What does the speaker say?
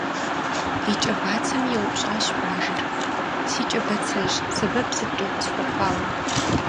И кӏэ бацэми еупщӏащ бажэр: - Си кӏэ бацэжь, сэбэп сыткӏэ укъысхуэхъуа уэ?